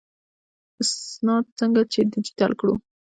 اسناد څنګه ډیجیټل کړو؟